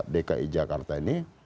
dki jakarta ini